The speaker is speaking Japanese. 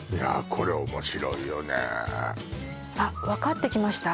これ面白いよねあっ分かってきました？